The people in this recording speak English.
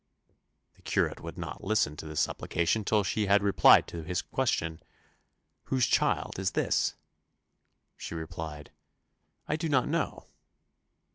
The curate would not listen to this supplication till she had replied to this question, "Whose child is this?" She replied, "I do not know."